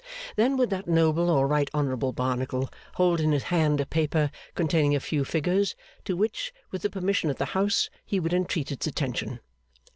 Then would that noble or right honourable Barnacle hold in his hand a paper containing a few figures, to which, with the permission of the House, he would entreat its attention.